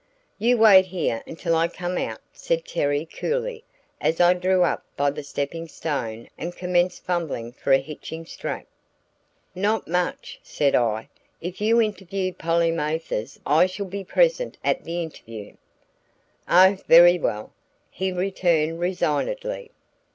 "You wait here until I come out," said Terry, coolly, as I drew up by the stepping stone and commenced fumbling for a hitching strap. "Not much!" said I. "If you interview Polly Mathers I shall be present at the interview." "Oh, very well!" he returned resignedly.